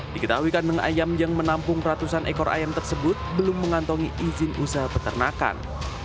diketahui kandang ayam yang menampung ratusan ekor ayam tersebut belum mengantongi izin usaha peternakan